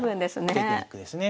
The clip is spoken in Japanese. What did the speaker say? テクニックですね。